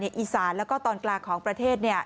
อีสานแล้วก็ตอนกลางของประเทศ